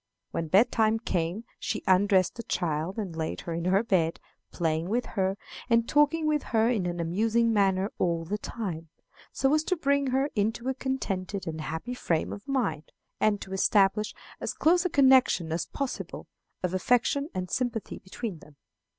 When bed time came she undressed the child and laid her in her bed, playing with her, and talking with her in an amusing manner all the time, so as to bring her into a contented and happy frame of mind, and to establish as close a connection as possible of affection and sympathy between them.